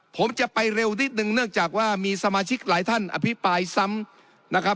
ผมจะไปเร็วนิดนึงเนื่องจากว่ามีสมาชิกหลายท่านอภิปรายซ้ำนะครับ